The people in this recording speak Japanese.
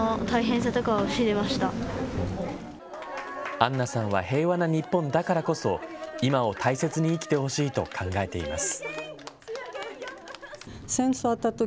アンナさんは平和な日本だからこそ、今を大切に生きてほしいと考えています。